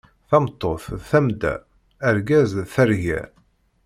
Tameṭṭut d tamda, argaz d targa.